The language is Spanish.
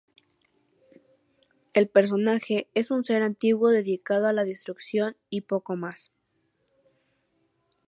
El personaje es un ser antiguo dedicado a la destrucción y poco más.